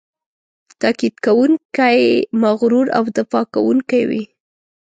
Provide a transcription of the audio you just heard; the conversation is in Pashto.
تاکید کوونکی، مغرور او دفاع کوونکی وي.